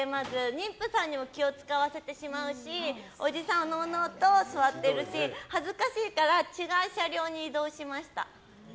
妊婦さんにも気を使わせてしまうしおじさんはのうのうと座ってるし恥ずかしいから違う車両に移動しました。